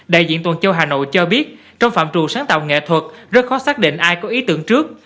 đại diện tuần châu hà nội cho biết trong phạm trù sáng tạo nghệ thuật rất khó xác định ai có ý tưởng trước